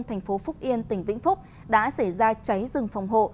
thành phố phúc yên tỉnh vĩnh phúc đã xảy ra cháy rừng phòng hộ